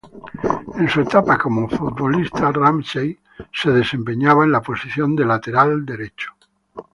En su etapa como futbolista, Ramsey se desempeñaba en la posición de lateral derecho.